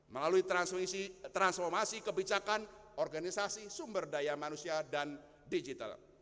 melalui transformasi kebijakan organisasi sumber daya manusia dan digital